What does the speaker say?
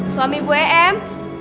suami bu eem